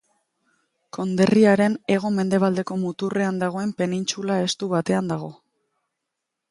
Konderriaren hego-mendebaldeko muturrean dagoen penintsula estu batean dago.